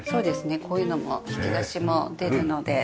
こういうのも引き出しも出るので。